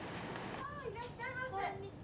ああいらっしゃいませ。